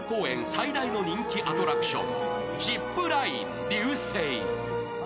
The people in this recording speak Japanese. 最大の人気アトラクション、ジップライン流星ＲＹＵＳＥＩ。